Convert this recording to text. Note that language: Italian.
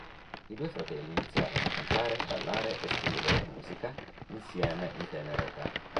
I due fratelli iniziarono a cantare, ballare e scrivere musica insieme in tenera età.